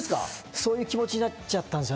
そういう気持ちになっちゃったんですよね。